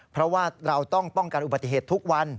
เพราะว่าเราต้องป้องกันอุบัติเหตุทุกวัน